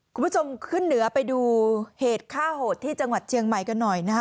คุณผู้ชมขึ้นเหนือไปดูเหตุฆ่าโหดที่จังหวัดเชียงใหม่กันหน่อยนะฮะ